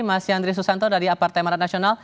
mas yandri susanto dari apmn